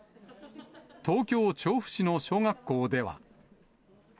東京・調布市の小学校では。